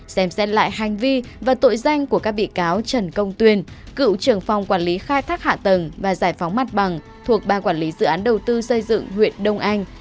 xem xét lại hành vi và tội danh của các bị cáo trần công tuyên cựu trưởng phòng quản lý khai thác hạ tầng và giải phóng mặt bằng thuộc ban quản lý dự án đầu tư xây dựng huyện đông anh